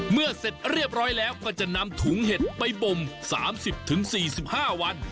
เสร็จเรียบร้อยแล้วก็จะนำถุงเห็ดไปบม๓๐๔๕วัน